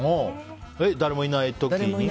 誰もいない時に？